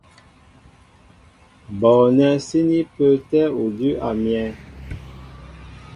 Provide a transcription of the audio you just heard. Bɔɔnɛ́ síní pə́ə́tɛ́ udʉ́ a myɛ́.